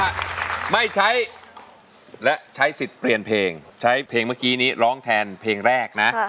ว่าไม่ใช้และใช้สิทธิ์เปลี่ยนเพลงใช้เพลงเมื่อกี้นี้ร้องแทนเพลงแรกนะ